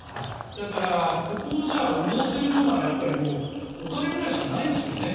だから、ここを補わせるものはお金ぐらいしかないですよね。